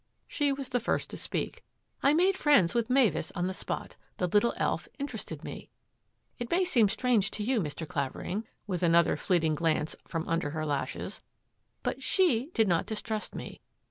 She was the first to speak. ^^ I made friends with Mavis on the spot. The little elf interested me. It may seem strange to you, Mr. Clavering,'* with another fleeting glance from under her lashes, " but she did not distrust me.